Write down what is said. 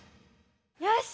よし！